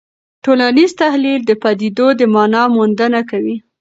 ټولنیز تحلیل د پدیدو د مانا موندنه کوي.